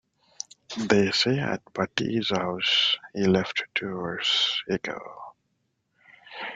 They say at Patti's house he left two hours ago.